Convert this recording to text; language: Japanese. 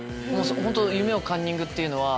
夢をカンニングっていうのは。